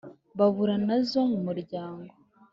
bahura nazo mu muryango